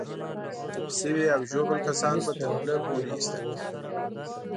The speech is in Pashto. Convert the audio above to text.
ټپي شوي او ژوبل کسان به تر پله پورې ایستل کېدل.